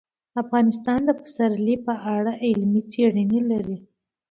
افغانستان د پسرلی په اړه علمي څېړنې لري.